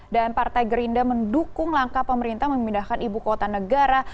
dan partai gerinda mendukung langkah pemerintah memindahkan ibu kota negara